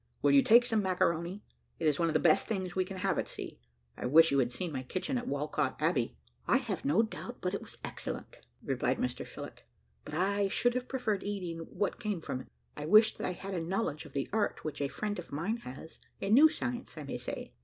Will you take some macaroni. It is one of the best things we can have at sea. I wish you had seen my kitchen at Walcot Abbey." "I have no doubt but it was excellent," replied Mr Phillott; "but I should have preferred eating what came from it. I wish that I had a knowledge of the art which a friend of mine has a new science, I may say."